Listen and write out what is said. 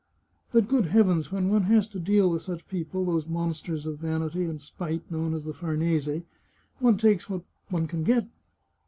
But, good heavens, when one has to deal with such people — ^those monsters of vanity and spite known as the Farnese — one takes what one can get."